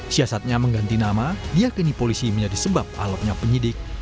siasatnya mengganti nama diakini polisi menjadi sebab aloknya penyidik